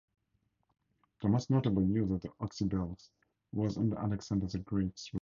The most notable use of the oxybeles was under Alexander the Great's rule.